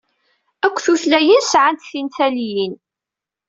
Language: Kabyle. Akk tutlayin sɛant tintalyin.